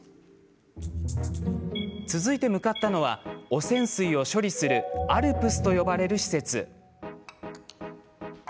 続いて向かったのは汚染水を処理するＡＬＰＳと呼ばれる施設。